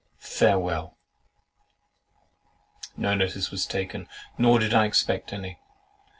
Farewell." No notice was taken; nor did I expect any.